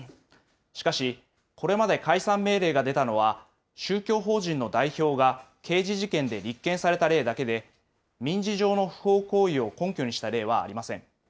しかし、これまで解散命令が出たのは、宗教法人の代表が刑事事件で立件された例だけで、民事上の不法行為を根拠にした例はありません。